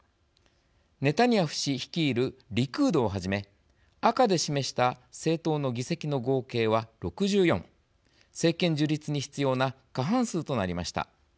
ネタニヤフ氏率いるリクードをはじめ赤で示した政党の議席の合計は６４政権樹立に必要な過半数となりました。